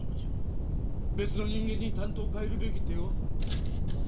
別の人間に担当を代えるべきでは？